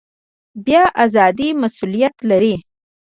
بیان ازادي مسوولیت لري